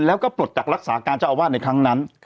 แล้วก็ปลดจากรักษาการเจ้าอาวาสในครั้งนั้น